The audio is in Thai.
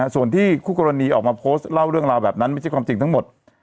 ส่วนที่คู่กรณีออกมาโพสต์เล่าเรื่องราวแบบนั้นไม่ใช่ความจริงทั้งหมด